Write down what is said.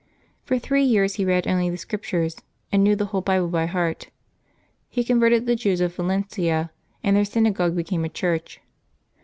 For three years he read only the Scrip tures, and knew the whole Bible by heart. He converted the Jews of Valencia, and their synagogue became a church.